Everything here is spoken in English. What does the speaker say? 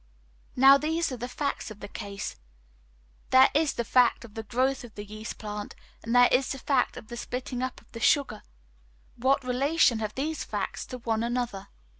Now these are the facts of the case. There is the fact of the growth of the yeast plant; and there is the fact of the splitting up of the sugar. What relation have these two facts to one another?